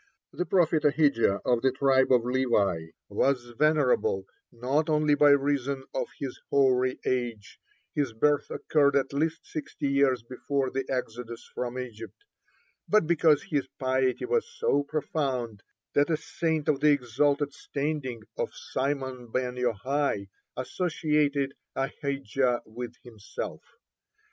The prophet Ahijah, of the tribe of Levi, was venerable, not only by reason of his hoary age, his birth occurred at least sixty years before the exodus from Egypt, (4) but because his piety was so profound that a saint of the exalted standing of Simon ben Yohai associated Ahijah with himself.